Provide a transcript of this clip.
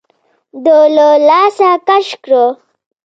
ده له لاسه کش کړه.